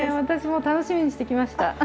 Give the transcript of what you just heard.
私も楽しみにしてきました。